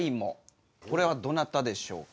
これはどなたでしょうか？